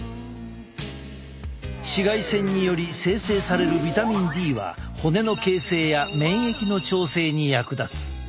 紫外線により生成されるビタミンＤは骨の形成や免疫の調整に役立つ。